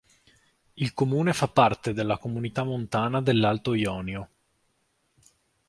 Il comune fa parte della Comunità montana dell'Alto Jonio.